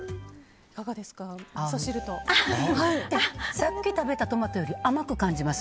さっき食べたトマトより甘く感じます。